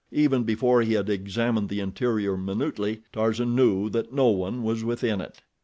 Even before he had examined the interior minutely, Tarzan knew that no one was within it.